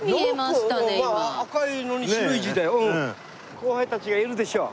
後輩たちがいるでしょ。